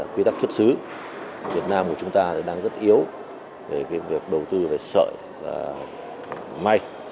quy tắc xuất xứ việt nam của chúng ta đang rất yếu về việc đầu tư về sợi và may